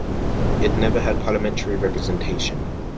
It never had parliamentary representation.